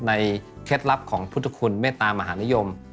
เคล็ดลับของพุทธคุณเมตตามหานิยม